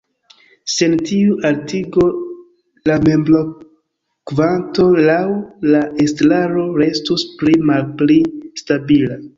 Sen tiu altigo, la membrokvanto laŭ la estraro restus pli-malpli stabila.